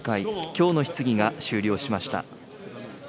きょうの質疑が終了しました。